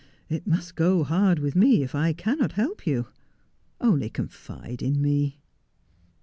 It must go hard with me if I cannot help you. Only confide in me.'